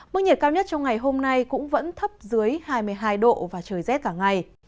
mức nhiệt cao nhất trong ngày hôm nay cũng vẫn thấp dưới hai mươi hai độ và trời rét cả ngày